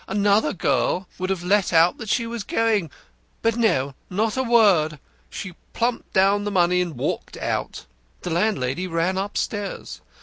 "Another girl would have let out that she was going. But no, not a word. She plumped down the money and walked out. The landlady ran upstairs.